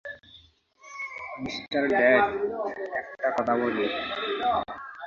Mr Death, একটা কথা বলি?